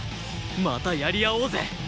またやり合おうぜ！